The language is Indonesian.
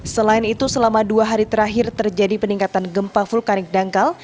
selain itu selama dua hari terakhir terjadi peningkatan gempa vulkanik dangkal